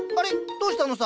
どうしたのさ？